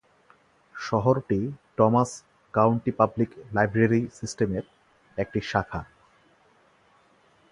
শহরটি Thomas county public library সিস্টেমের একটি শাখা।